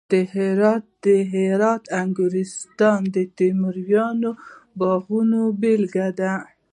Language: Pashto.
د هرات د انګورستان د تیموري باغونو بېلګه ده